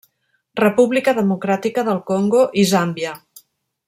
República Democràtica del Congo i Zàmbia.